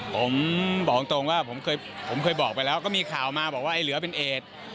ผมบอกตรงว่าผมเคยบอกไปแล้วก็มีข่าวมาบอกว่าไอ้เหลือเป็นเอด